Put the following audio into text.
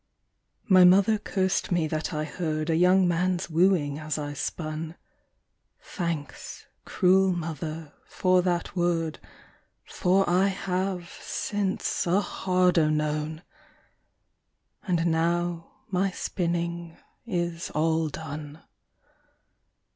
My mother cursed me that I heard A young man's wooing as I spun: Thanks, cruel mother, for that word, For I have, since, a harder known! And now my spinning is all done.